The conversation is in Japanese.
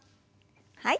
はい。